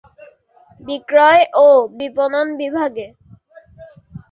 বিক্রয় ও বিপণন বিভাগে।